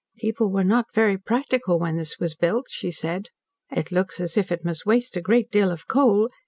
"People were not very practical when this was built," she said. "It looks as if it must waste a great deal of coal.